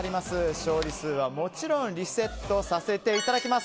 勝利数はもちろんリセットさせていただきます。